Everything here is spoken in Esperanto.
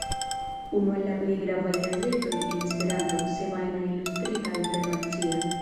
Unu el la plej gravaj gazetoj en Esperanto, semajna, ilustrita, internacia.